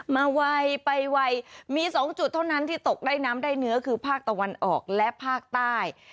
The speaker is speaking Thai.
ไวไปไวมี๒จุดเท่านั้นที่ตกได้น้ำได้เนื้อคือภาคตะวันออกและภาคใต้